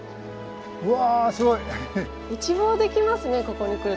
うわすごい。